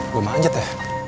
gue manjat ya